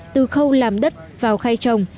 từ khâu làm đất vào khay trồng